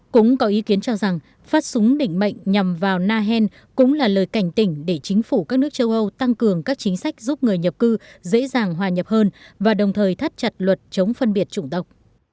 cũng có ý kiến cho rằng phát súng đỉnh mạnh nhằm vào nahen cũng là lời cảnh tỉnh để chính phủ các nước châu âu tăng cường các chính sách giúp người nhập cư dễ dàng hòa nhập hơn và đồng thời thắt chặt luật chống phân biệt chủng tộc